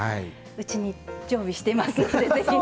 うちに常備していますので是非。